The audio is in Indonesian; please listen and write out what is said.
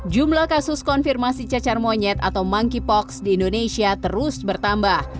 jumlah kasus konfirmasi cacar monyet atau monkeypox di indonesia terus bertambah